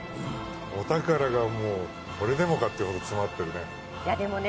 お宝がもうこれでもかっていうほど詰まってるね。